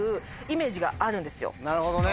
なるほどね。